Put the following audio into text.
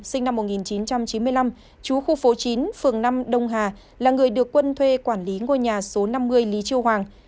sinh năm một nghìn chín trăm chín mươi năm chú khu phố chín phường năm đông hà là người được quân thuê quản lý ngôi nhà số năm mươi lý chiêu hoàng